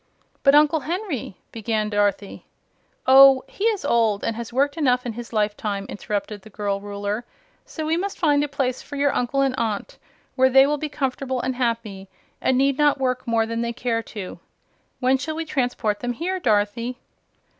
"But Uncle Henry " began Dorothy. "Oh, he is old, and has worked enough in his lifetime," interrupted the girl Ruler; "so we must find a place for your uncle and aunt where they will be comfortable and happy and need not work more than they care to. When shall we transport them here, Dorothy?"